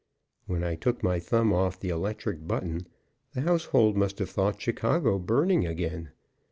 When I took my thumb off the electric button the household must have thought Chicago burning again.